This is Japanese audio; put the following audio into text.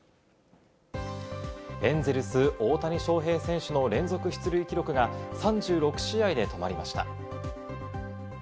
エンゼルス・大谷翔平選手の連続出塁記録が３６試合で止まりました。